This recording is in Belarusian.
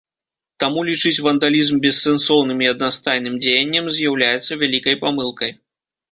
Таму лічыць вандалізм бессэнсоўным і аднастайным дзеяннем з'яўляецца вялікай памылкай.